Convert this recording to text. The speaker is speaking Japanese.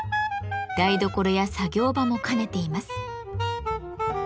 台所や作業場も兼ねています。